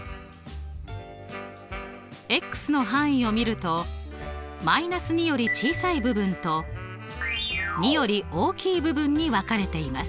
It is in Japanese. の範囲を見ると−２より小さい部分と２より大きい部分に分かれています。